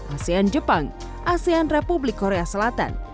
asean jepang asean republik korea selatan